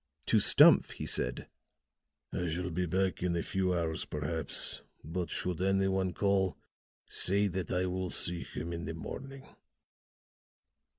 To Stumph he said: "I shall be back in a few hours, perhaps. But should any one call, say that I will see him in the morning."